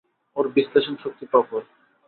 ওর বিশ্লেষণ শক্তি প্রখর।